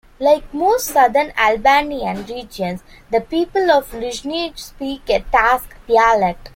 Like most southern Albanian regions, the people of Lushnje speak a Tosk dialect.